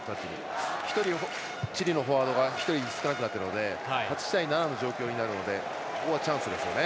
１人、チリのフォワードが少なくなっているので８対７の状況になるのでここがチャンスですよね。